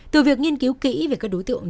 từ việc nghiên cứu kỹ về các đối tượng